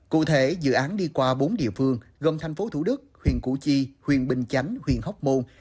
cụ thể dự án đi qua bốn địa phương gồm thành phố thủ đức huyện củ chi huyện bình chánh huyện hóc môn